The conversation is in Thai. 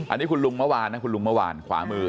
อันนี้คุณลุงเมื่อวานนะคุณลุงเมื่อวานขวามือ